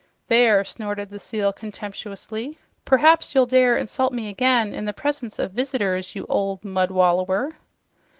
"There!" snorted the Seal contemptuously. "Perhaps you'll dare insult me again in the presence of visitors, you old mud wallower!"